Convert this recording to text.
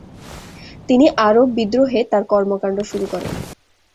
তিনি আরব বিদ্রোহে তার কর্মকাণ্ড শুরু করেন।